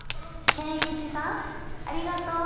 ケンイチさんありがとう！やった！